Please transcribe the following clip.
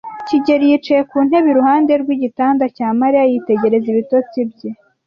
kigeli yicaye ku ntebe iruhande rw'igitanda cya Mariya, yitegereza ibitotsi bye.